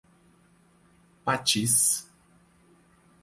Patis